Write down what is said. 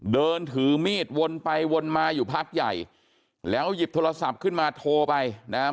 เดินถือมีดวนไปวนมาอยู่พักใหญ่แล้วหยิบโทรศัพท์ขึ้นมาโทรไปนะฮะ